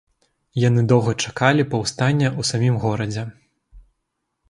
Яны доўга чакалі паўстання ў самім горадзе.